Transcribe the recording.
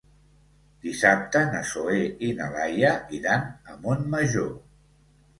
Dissabte na Zoè i na Laia iran a Montmajor.